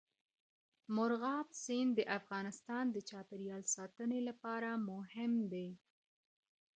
مورغاب سیند د افغانستان د چاپیریال ساتنې لپاره مهم دی.